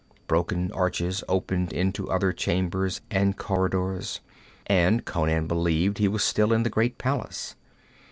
Broken arches opened into other chambers and corridors, and Conan believed he was still in the great palace.